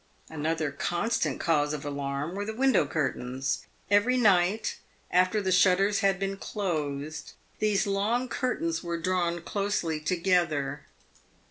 Another constant cause of alarm were the window curtains. Every night, after the shutters had been closed, these long curtains were drawn closely together.